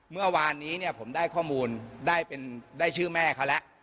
เมื่อวานนี้ผมได้ข้อมูลได้ชื่อแม่เขาแล้ว